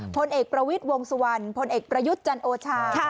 พลเอกประวิทย์วงสุวรรณพลเอกประยุทธ์จันโอชา